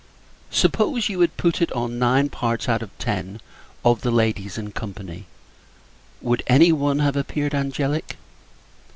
Suppose you had put it on nine parts out of ten of the ladies in company, would any one have appeared angelic?